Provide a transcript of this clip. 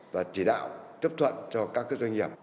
và chế đạo chấp thuận cho các doanh nghiệp